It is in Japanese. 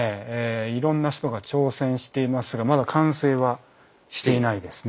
いろんな人が挑戦していますがまだ完成はしていないですね。